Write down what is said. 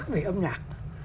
về âm nhạc